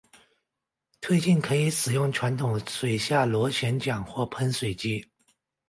推进可以使用传统水下螺旋桨或喷水机。